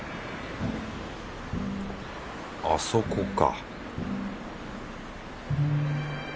あそこか